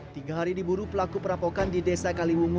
tiga hari diburu pelaku perampokan di desa kaliwungu